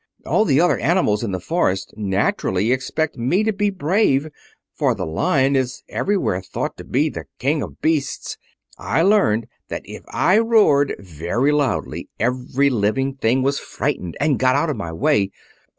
All the other animals in the forest naturally expect me to be brave, for the Lion is everywhere thought to be the King of Beasts. I learned that if I roared very loudly every living thing was frightened and got out of my way.